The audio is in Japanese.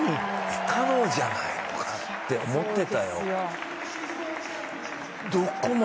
不可能じゃないのかって思ってたよ。